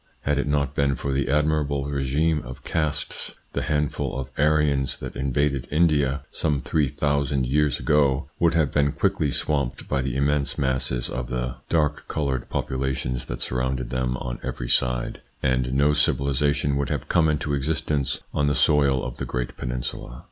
Had it not been for the admirable regime of castes, the handful of Aryans that invaded India, some three thousand years ago, would have been quickly swamped by the immense masses of the ITS INFLUENCE ON THEIR EVOLUTION 55 dark coloured populations that surrounded them on every side, and no civilisation would have come into existence on the soil of the great peninsula.